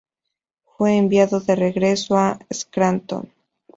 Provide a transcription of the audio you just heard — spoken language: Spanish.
Fue enviado de regreso a Scranton.